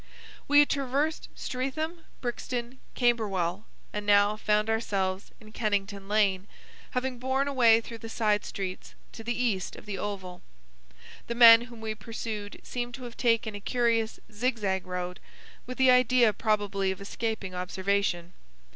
We had traversed Streatham, Brixton, Camberwell, and now found ourselves in Kennington Lane, having borne away through the side streets to the east of the Oval. The men whom we pursued seemed to have taken a curiously zigzag road, with the idea probably of escaping observation.